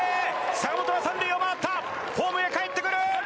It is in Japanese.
坂本は３塁を回ったホームへかえってくる！